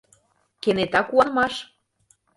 Кенета куанымаш.